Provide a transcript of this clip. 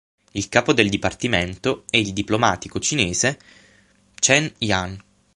Il capo del dipartimento è il diplomatico cinese Chen Jian.